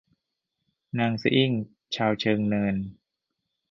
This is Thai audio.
นางสะอิ้งชาวเชิงเนิน